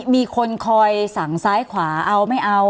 มีคนคอยสั่งซ้ายขวาเอาไม่เอา